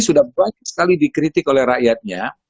sudah banyak sekali dikritik oleh rakyatnya